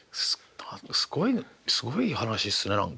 すごいすごい話っすね何か。